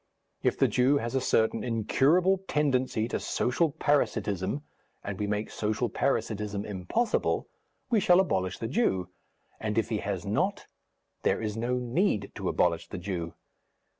If the Jew has a certain incurable tendency to social parasitism, and we make social parasitism impossible, we shall abolish the Jew, and if he has not, there is no need to abolish the Jew.